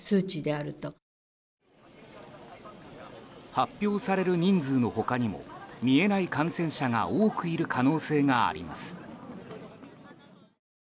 発表される人数の他にも見えない感染者が多くいる可能性があります。